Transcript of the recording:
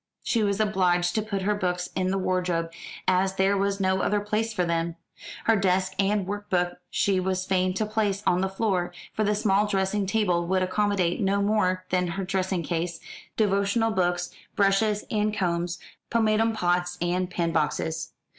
She was obliged to put her books in the wardrobe, as there was no other place for them. Her desk and workbox she was fain to place on the floor, for the small dressing table would accommodate no more than her dressing case, devotional books, brushes and combs, pomatum pots, and pinboxes.